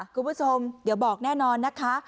คุณผู้ชมเดี๋ยวบอกแน่นอนนะคะ